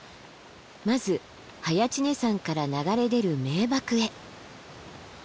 まず早池峰山から流れ出る名瀑へ。